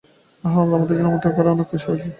অহ, আমার জন্য তাকে আমন্ত্রণ করায় অনেক খুশি হয়েছি।